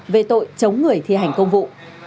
về tội chống người thi hành công vụ